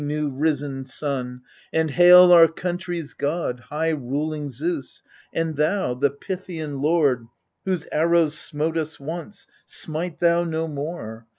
New risen sun 1 and hail our country's God, High ruling Zeus, and thou, the Pythian lord, Whose arrows smote us once — smite thou no more